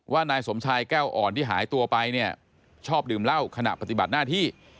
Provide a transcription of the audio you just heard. นายสมชายแก้วอ่อนที่หายตัวไปเนี่ยชอบดื่มเหล้าขณะปฏิบัติหน้าที่